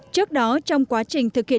trước đó trong quá trình thực hiện